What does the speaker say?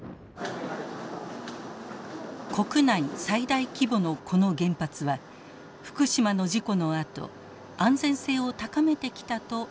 国内最大規模のこの原発は福島の事故のあと安全性を高めてきたとアピールしています。